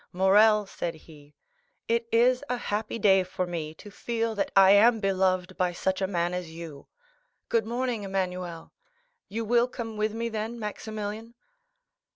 "Morrel," said he, "it is a happy day for me, to feel that I am beloved by such a man as you. Good morning, Emmanuel; you will come with me then, Maximilian?"